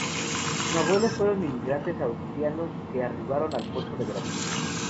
Sus abuelos fueron inmigrantes asturianos que arribaron al puerto de Veracruz.